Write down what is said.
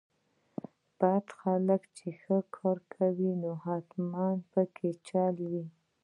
بد خلک چې ښه کار کوي نو حتماً پکې چل وي.